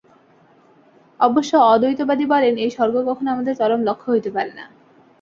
অবশ্য অদ্বৈতবাদী বলেন, এই স্বর্গ কখনও আমাদের চরম লক্ষ্য হইতে পারে না।